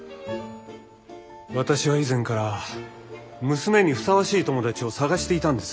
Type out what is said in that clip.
私は以前から娘にふさわしい友達を探していたんです。